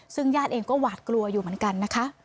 ซึ่งญาติเองก็หวาดกลัวอยู่เหมือนกันนะคะ